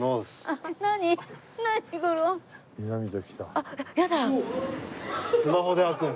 あっやだ！